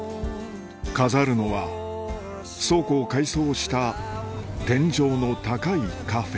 飾るのは倉庫を改装した天井の高いカフェ